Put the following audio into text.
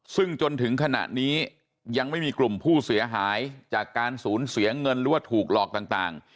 ซึ่งจนถึงขณะนี้ยังไม่มีกลุ่มผู้เสียหายจากการสูญเสียเงินหรือว่าถูกหลอกต่าง